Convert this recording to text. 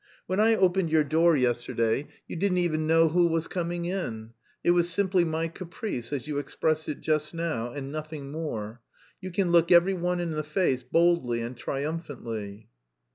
When I opened your door yesterday, you didn't even know who was coming in. It was simply my caprice, as you expressed it just now, and nothing more! You can look every one in the face boldly and triumphantly!"